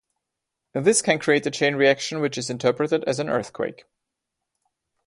This can create a chain reaction which is interpreted as an earthquake.